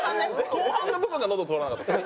後半の部分がのど通らなかったです。